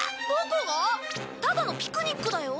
ただのピクニックだよ。